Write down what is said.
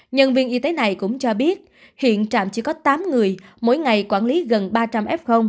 nhân viên y tế này cũng cho biết hiện trạm chỉ có tám người mỗi ngày quản lý gần ba trăm linh f